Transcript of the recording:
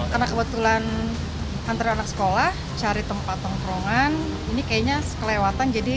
karena kebetulan antara anak sekolah cari tempat tengkrongan ini kayaknya sekelewatan jadi asik aja di sini ya